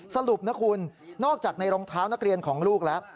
สรุปนะคุณนอกจากในรองเท้านักเรียนของลูกแล้ว